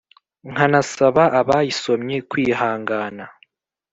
nkanasaba abayisomye kwihangana